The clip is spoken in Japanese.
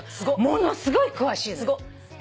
ものすごい詳しいのよ。